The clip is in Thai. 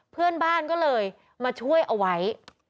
เพื่อนบ้านก็เลยมาช่วยเอาไว้